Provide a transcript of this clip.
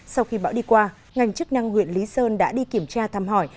sau khi bão đi qua ngành chức năng huyện lý sơn đã đi kiểm tra thăm hỏi